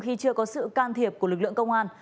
khi chưa có sự can thiệp của lực lượng công an